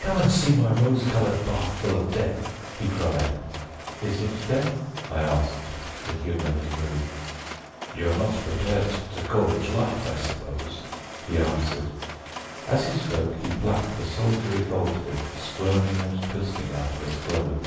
"Come and see my rose coloured bath full of death!" he cried. "Is it death?" I asked, to humour his mood. "You are not prepared to call it life, I suppose," he answered. As he spoke he plucked a solitary goldfish squirming and twisting out of its globe.